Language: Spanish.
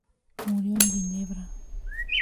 Murió en Ginebra.